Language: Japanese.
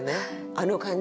あの感じね。